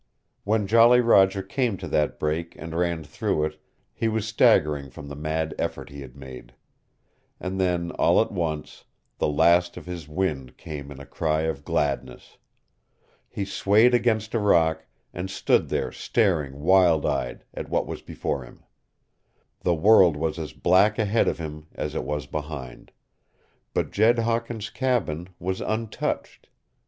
When Jolly Roger came to that break and ran through it he was staggering from the mad effort he had made. And then, all at once, the last of his wind came in a cry of gladness. He swayed against a rock and stood there staring wild eyed at what was before him. The world was as black ahead of him as it was behind. But Jed Hawkins' cabin was untouched!